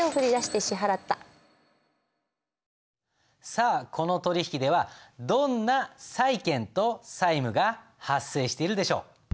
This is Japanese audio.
さあこの取引ではどんな債権と債務が発生しているでしょう？